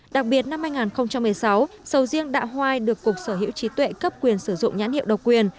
đặc biệt năm hai nghìn một mươi sáu sầu riêng đạ hoai được cục sở hữu trí tuệ cấp quyền sử dụng nhãn hiệu độc quyền